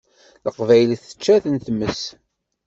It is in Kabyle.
Leqbayel tečča-ten tmes.